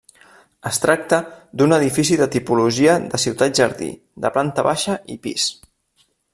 Es tracta d'un edifici de tipologia de ciutat-jardí de planta baixa i pis.